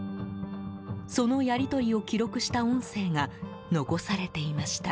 そのやり取りを記録した音声が残されていました。